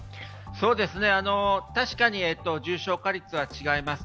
確かに重症化率は違います。